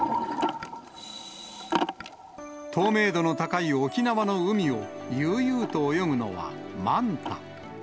透明度の高い沖縄の海を悠々と泳ぐのは、マンタ。